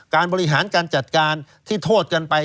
การบริหารการจัดการที่โทษกันไป